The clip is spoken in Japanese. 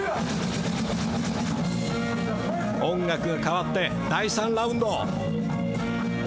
音楽が変わって第３ラウンド。